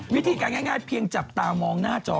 วิธีการง่ายเพียงจับตามองหน้าจอ